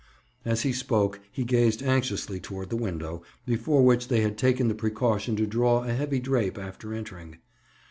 As he spoke he gazed anxiously toward the window, before which they had taken the precaution to draw a heavy drape after entering.